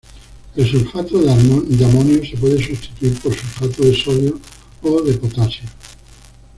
El sulfato de amonio se puede sustituir por sulfato de sodio o de potasio.